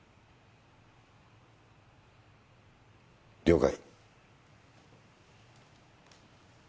了解。